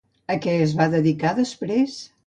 A què es va dedicar després?